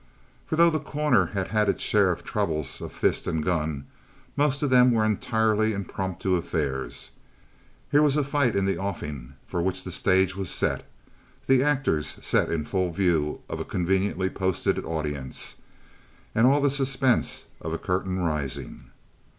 For though The Corner had had its share of troubles of fist and gun, most of them were entirely impromptu affairs. Here was a fight in the offing for which the stage was set, the actors set in full view of a conveniently posted audience, and all the suspense of a curtain rising.